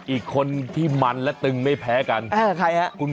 อีกคนที่มันและเตึงไม่แพ้กัน